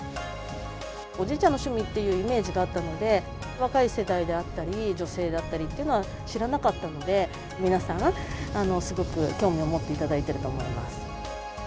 おじいちゃんの趣味っていうイメージがあったので、若い世代であったり、女性だったりっていうのは知らなかったので、皆さん、すごく興味を持っていただいてると思います。